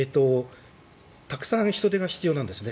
たくさん人手が必要なんですね